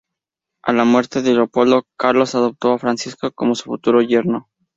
A la muerte de Leopoldo, Carlos adoptó a Francisco como su futuro yerno.